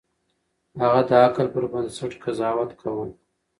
هغه د عقل پر بنسټ قضاوت کاوه.